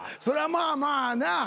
そりゃまあまあな。